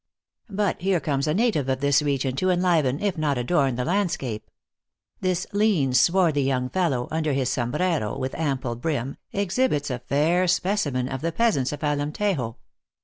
But here comes a native of this region to enliven, if not adorn, the landscape. This lean, swarthy young fellow, under his soinbrero with ample brim, exhibits a fair specimen of the peasants of Alemtejo.